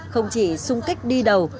không chỉ sung kích đi đầu